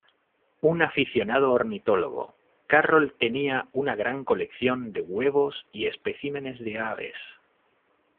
Un aficionado ornitólogo, Carroll tenía una gran colección de huevos y especímenes de aves.